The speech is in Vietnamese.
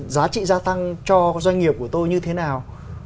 giá trị gia tăng cho doanh nghiệp của tôi như thế nào